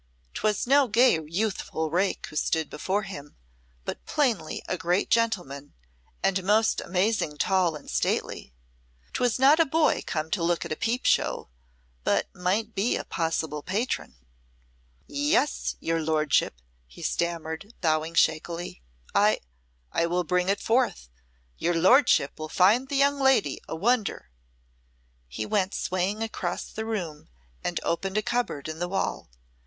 'Twas no gay youthful rake who stood before him, but plainly a great gentleman, and most amazing tall and stately. 'Twas not a boy come to look at a peep show, but might be a possible patron. "Yes, your lordship," he stammered, bowing shakily, "I I will bring it forth. Your lordship will find the young lady a wonder." He went swaying across the room, and opened a cupboard in the wall.